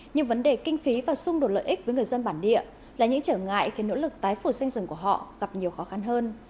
nhưng vấn đề kinh phí và xung đột lợi ích với người dân bản địa là những trở ngại khiến nỗ lực tái phủ xanh rừng của họ gặp nhiều khó khăn hơn